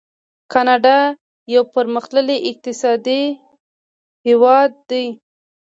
کاناډا یو پرمختللی اقتصادي هیواد دی.